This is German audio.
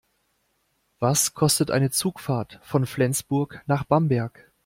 Was kostet eine Zugfahrt von Flensburg nach Bamberg?